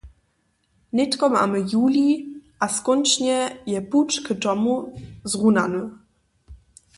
Nětko mamy julij a skónčnje je puć k tomu zrunany.